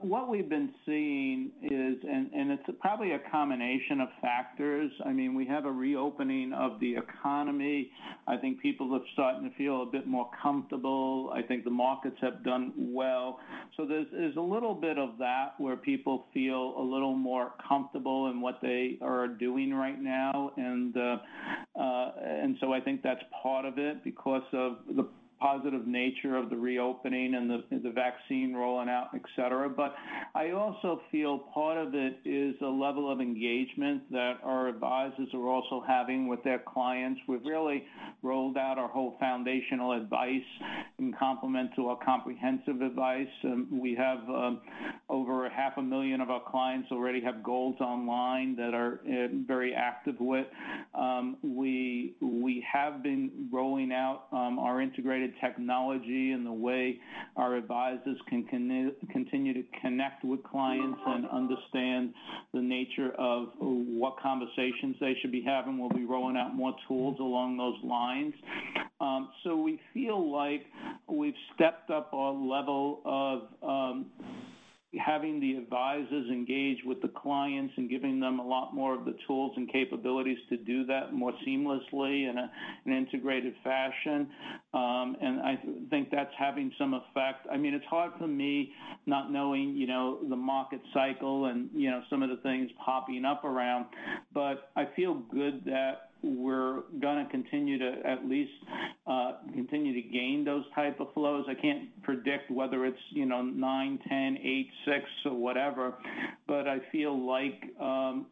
What we've been seeing is, it's probably a combination of factors. We have a reopening of the economy. I think people have started to feel a bit more comfortable. I think the markets have done well. There's a little bit of that where people feel a little more comfortable in what they are doing right now, I think that's part of it because of the positive nature of the reopening and the vaccine rolling out, et cetera. I also feel part of it is a level of engagement that our advisors are also having with their clients. We've really rolled out our whole foundational advice in complement to our comprehensive advice. We have over half a million of our clients already have goals online that are very active with. We have been rolling out our integrated technology in the way our advisors can continue to connect with clients and understand the nature of what conversations they should be having. We'll be rolling out more tools along those lines. We feel like we've stepped up our level of having the advisors engage with the clients and giving them a lot more of the tools and capabilities to do that more seamlessly in an integrated fashion. I think that's having some effect. It's hard for me not knowing the market cycle and some of the things popping up around, I feel good that we're going to at least continue to gain those type of flows. I can't predict whether it's nine, 10, eight, six or whatever, but I feel like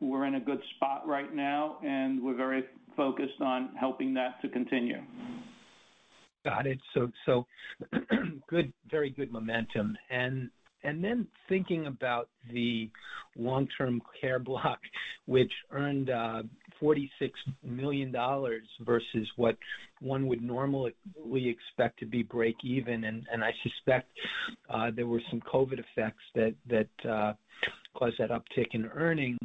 we're in a good spot right now, and we're very focused on helping that to continue. Got it. Very good momentum. Thinking about the long-term care block, which earned $46 million versus what one would normally expect to be break even, I suspect there were some COVID effects that caused that uptick in earnings.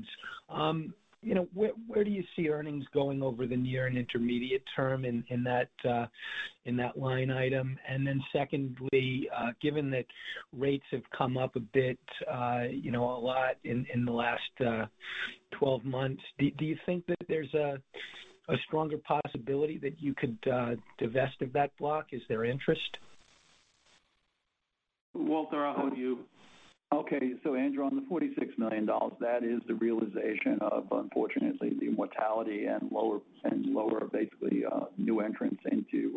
Where do you see earnings going over the near and intermediate term in that line item? Secondly, given that rates have come up a bit, a lot in the last 12 months, do you think that there's a stronger possibility that you could divest of that block? Is there interest? Walter, I'll hold you. Okay. Andrew, on the $46 million, that is the realization of, unfortunately, the mortality and lower basically new entrants into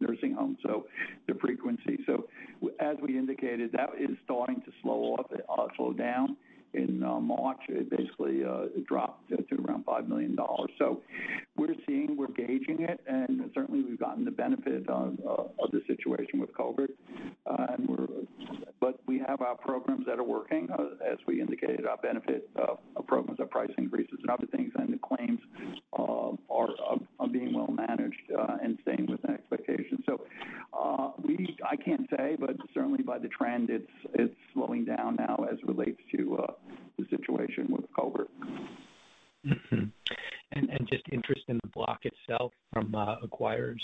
nursing homes. The frequency. As we indicated, that is starting to slow down. In March, it basically dropped to around $5 million. We're seeing, we're gauging it, and certainly we've gotten the benefit of the situation with COVID. We have our programs that are working, as we indicated, our benefit of programs, our price increases and other things, and the claims are being well managed and staying within expectations. I can't say, but certainly by the trend, it's slowing down now as it relates to the situation with COVID. Just interest in the block itself from acquirers.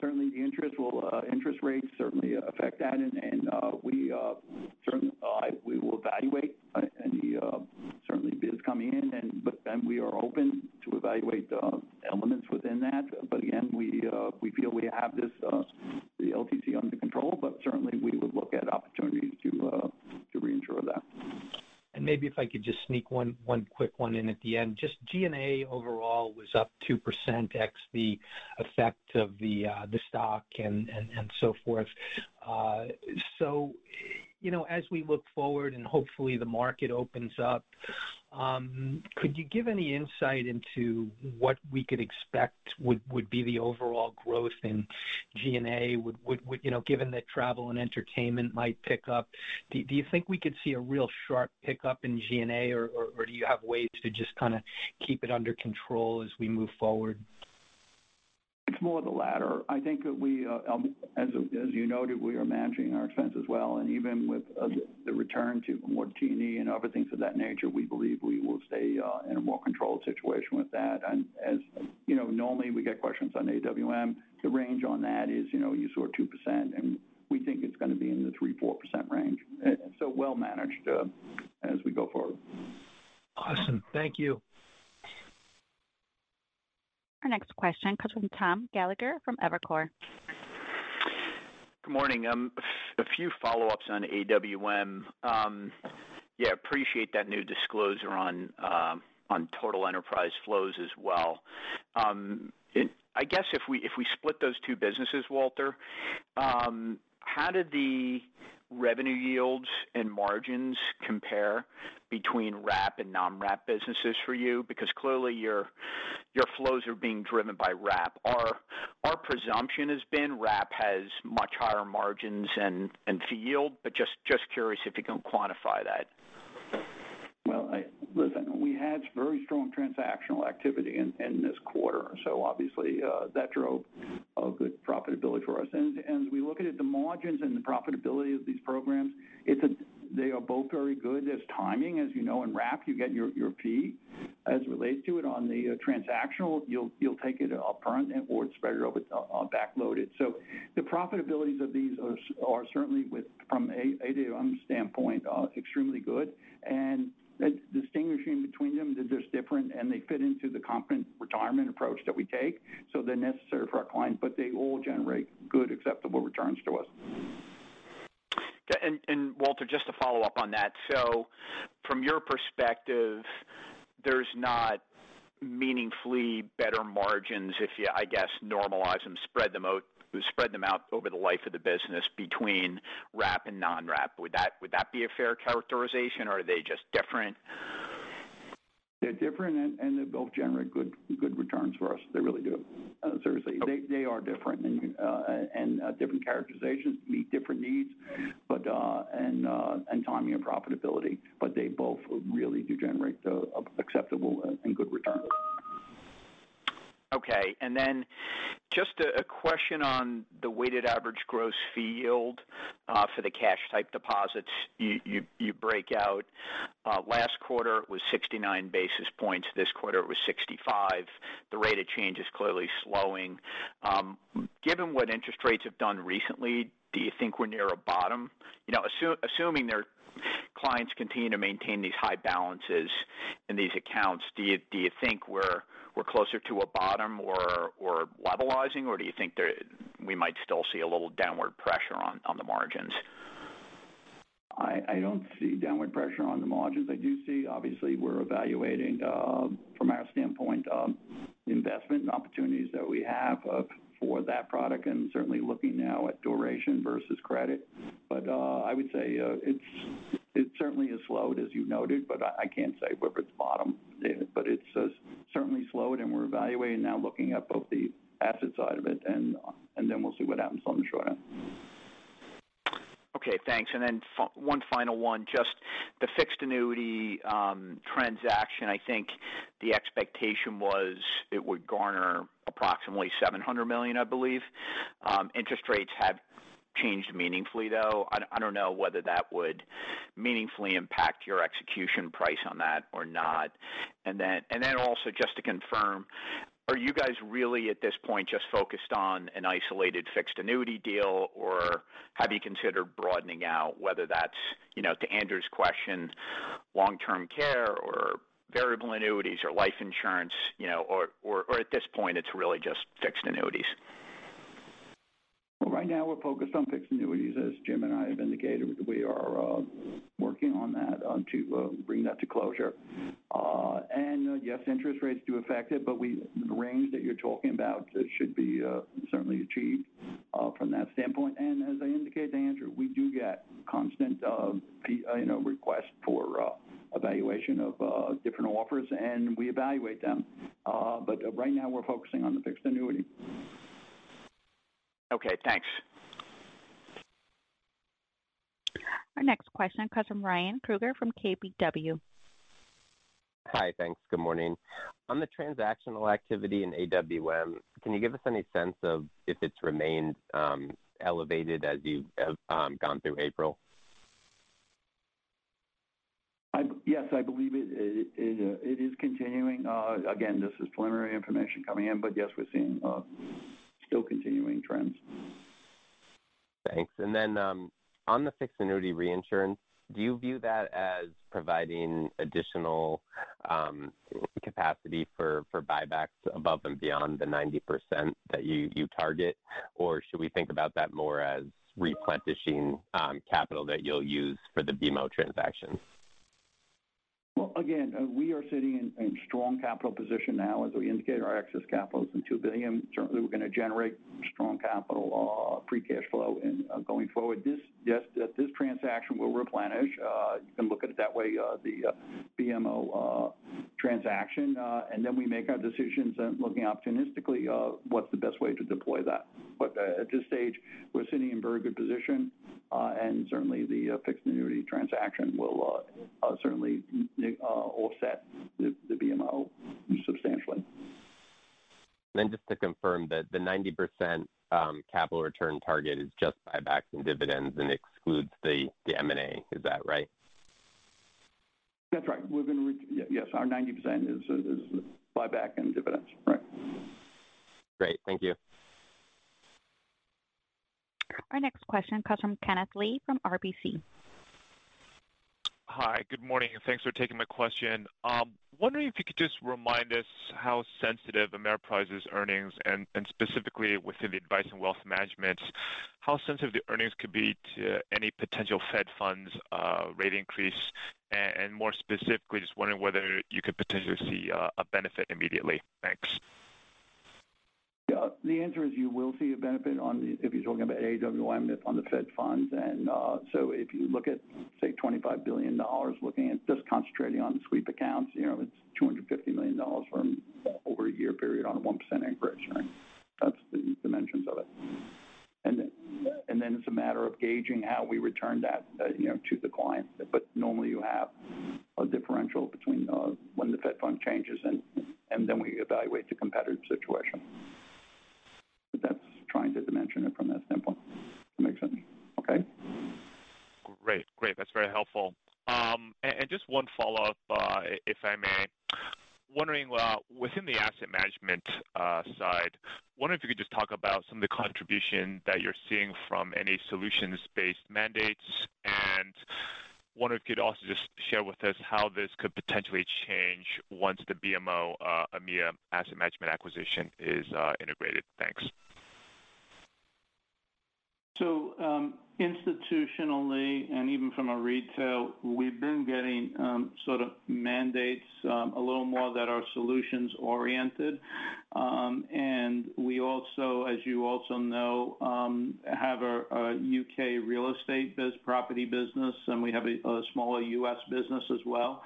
Certainly the interest rates certainly affect that, and we will evaluate any bids coming in, but then we are open to evaluate the elements within that. We feel we have the LTC under control, but certainly we would look at opportunities to reinsure that. Maybe if I could just sneak one quick one in at the end. G&A overall was up 2% ex the effect of the stock and so forth. As we look forward and hopefully the market opens up, could you give any insight into what we could expect would be the overall growth in G&A, given that travel and entertainment might pick up? Do you think we could see a real sharp pickup in G&A, or do you have ways to just kind of keep it under control as we move forward? It's more the latter. I think that we, as you noted, we are managing our expenses well. Even with the return to more T&E and other things of that nature, we believe we will stay in a more controlled situation with that. As normally we get questions on AWM, the range on that is, you saw 2%, and we think it's going to be in the 3%-4% range. Well managed as we go forward. Awesome. Thank you. Our next question comes from Tom Gallagher from Evercore. Good morning. A few follow-ups on AWM. Yeah, appreciate that new disclosure on total enterprise flows as well. I guess if we split those two businesses, Walter, how did the revenue yields and margins compare between wrap and non-wrap businesses for you? Clearly your flows are being driven by wrap. Our presumption has been wrap has much higher margins and fee yield, just curious if you can quantify that. Listen, we had very strong transactional activity in this quarter. Obviously, that drove a good profitability for us. As we look at the margins and the profitability of these programs, they are both very good as timing. As you know, in wrap, you get your fee as it relates to it. On the transactional, you'll take it up front or it's spread over backloaded. The profitabilities of these are certainly from an AWM standpoint extremely good. Distinguishing between them, they're just different and they fit into the Confident Retirement approach that we take. They're necessary for our clients, but they all generate good acceptable returns to us. Okay. Walter, just to follow up on that. From your perspective, there's not meaningfully better margins if you, I guess, normalize them, spread them out over the life of the business between wrap and non-wrap. Would that be a fair characterization, or are they just different? They're different, and they both generate good returns for us. They really do. Seriously, they are different and different characterizations meet different needs and timing and profitability, but they both really do generate acceptable and good returns. Okay, just a question on the weighted average gross fee yield for the cash type deposits you break out. Last quarter it was 69 basis points. This quarter it was 65. The rate of change is clearly slowing. Given what interest rates have done recently, do you think we're near a bottom? Assuming their clients continue to maintain these high balances in these accounts, do you think we're closer to a bottom or levelizing, or do you think that we might still see a little downward pressure on the margins? I don't see downward pressure on the margins. I do see obviously we're evaluating from our standpoint investment and opportunities that we have for that product and certainly looking now at duration versus credit. I would say it certainly has slowed, as you noted, but I can't say whether it's bottom. It's certainly slowed and we're evaluating now looking at both the asset side of it and then we'll see what happens on the short end. Okay, thanks. Then one final one. Just the fixed annuity transaction, I think the expectation was it would garner approximately $700 million, I believe. Interest rates have changed meaningfully, though. I don't know whether that would meaningfully impact your execution price on that or not. Then also just to confirm, are you guys really at this point just focused on an isolated fixed annuity deal, or have you considered broadening out whether that's, to Andrew Kligerman's question, long-term care or variable annuities or life insurance, or at this point it's really just fixed annuities? Well, right now we're focused on fixed annuities. As Jim and I have indicated, we are working on that to bring that to closure. Yes, interest rates do affect it, but the range that you're talking about should be certainly achieved from that standpoint. As I indicated to Andrew, we do get constant requests for evaluation of different offers, and we evaluate them. Right now we're focusing on the fixed annuity. Okay, thanks. Our next question comes from Ryan Krueger from KBW. Hi, thanks. Good morning. On the transactional activity in AWM, can you give us any sense of if it's remained elevated as you have gone through April? Yes, I believe it is continuing. Again, this is preliminary information coming in, but yes, we're seeing still continuing trends. Thanks. On the fixed annuity reinsurance, do you view that as providing additional capacity for buybacks above and beyond the 90% that you target, or should we think about that more as replenishing capital that you'll use for the BMO transaction? Well, again, we are sitting in a strong capital position now. As we indicated, our excess capital is in $2 billion. We're going to generate strong capital free cash flow going forward. This transaction will replenish, you can look at it that way, the BMO transaction. We make our decisions then looking opportunistically, what's the best way to deploy that. At this stage, we're sitting in very good position. The fixed annuity transaction will certainly offset the BMO substantially. Just to confirm that the 90% capital return target is just buybacks and dividends and excludes the M&A. Is that right? That's right. Yes, our 90% is buyback and dividends. Right. Great. Thank you. Our next question comes from Kenneth Lee from RBC. Hi. Good morning, thanks for taking my question. Wondering if you could just remind us how sensitive Ameriprise's earnings, and specifically within the Advice & Wealth Management, how sensitive the earnings could be to any potential Fed funds rate increase. More specifically, just wondering whether you could potentially see a benefit immediately. Thanks. Yeah. The answer is you will see a benefit if you're talking about AWM on the Fed funds. If you look at, say, $25 billion, just concentrating on sweep accounts, it's $250 million from over a year period on a 1% increase. That's the dimensions of it. It's a matter of gauging how we return that to the client. Normally you have a differential between when the Fed fund changes, and then we evaluate the competitive situation. That's trying to dimension it from that standpoint, if that makes sense. Okay? Great. That's very helpful. Just one follow-up, if I may. Wondering within the asset management side, wonder if you could just talk about some of the contribution that you're seeing from any solutions-based mandates, and wonder if you could also just share with us how this could potentially change once the BMO EMEA asset management acquisition is integrated. Thanks. Institutionally, and even from a retail, we've been getting sort of mandates a little more that are solutions oriented. We also, as you also know, have our U.K. real estate property business, and we have a smaller U.S. business as well.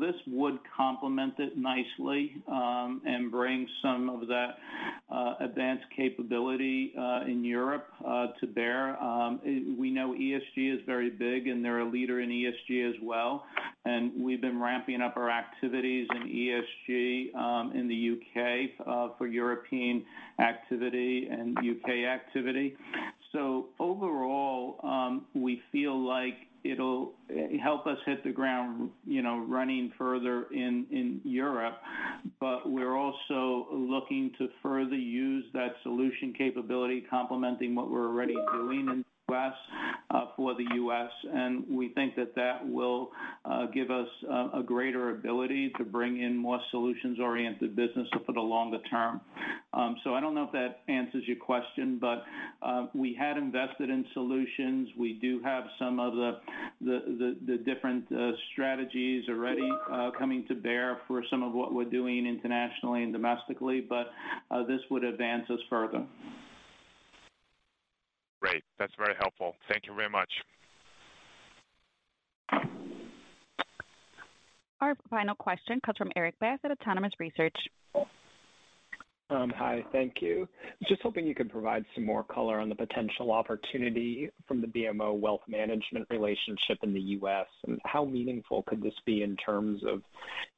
This would complement it nicely, and bring some of that advanced capability in Europe to bear. We know ESG is very big, and they're a leader in ESG as well, and we've been ramping up our activities in ESG in the U.K. for European activity and U.K. activity. Overall, we feel like it'll help us hit the ground running further in Europe. We're also looking to further use that solution capability, complementing what we're already doing in the West for the U.S., and we think that that will give us a greater ability to bring in more solutions-oriented business for the longer term. I don't know if that answers your question, but we had invested in solutions. We do have some of the different strategies already coming to bear for some of what we're doing internationally and domestically. This would advance us further. Great. That's very helpful. Thank you very much. Our final question comes from Erik Bass at Autonomous Research. Hi. Thank you. Just hoping you could provide some more color on the potential opportunity from the BMO Wealth Management relationship in the U.S., and how meaningful could this be in terms of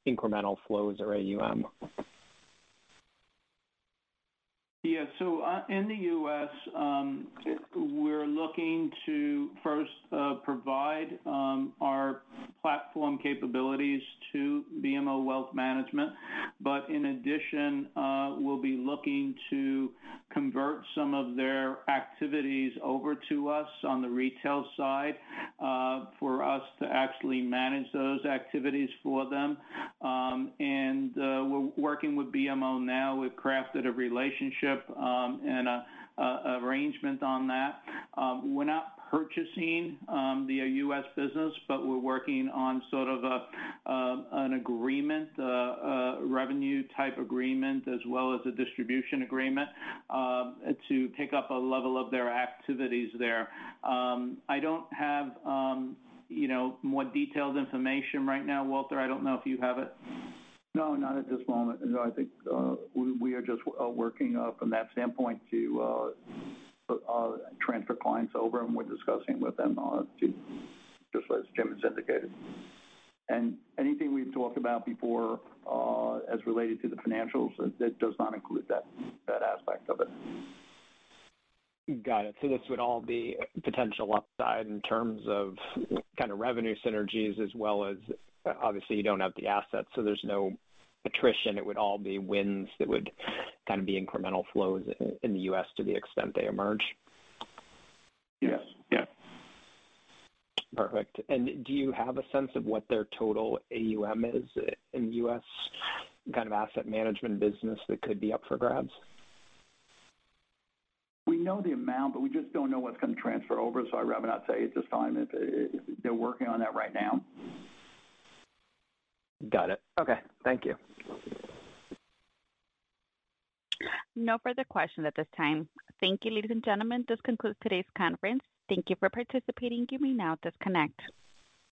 incremental flows or AUM? Yeah. In the U.S., we're looking to first provide our platform capabilities to BMO Wealth Management. In addition, we'll be looking to convert some of their activities over to us on the retail side, for us to actually manage those activities for them. We're working with BMO now. We've crafted a relationship, and an arrangement on that. We're not purchasing the U.S. business, but we're working on sort of an agreement, a revenue type agreement, as well as a distribution agreement, to pick up a level of their activities there. I don't have more detailed information right now. Walter, I don't know if you have it. No, not at this moment. I think we are just working from that standpoint to transfer clients over, and we're discussing with them just as Jim has indicated. Anything we've talked about before, as related to the financials, it does not include that aspect of it. Got it. This would all be potential upside in terms of kind of revenue synergies as well as, obviously, you don't have the assets, so there's no attrition. It would all be wins that would kind of be incremental flows in the U.S. to the extent they emerge. Yes. Yeah. Perfect. Do you have a sense of what their total AUM is in the U.S. kind of asset management business that could be up for grabs? We know the amount, but we just don't know what's going to transfer over, so I'd rather not say at this time. They're working on that right now. Got it. Okay. Thank you. No further questions at this time. Thank you, ladies and gentlemen. This concludes today's conference. Thank you for participating. You may now disconnect.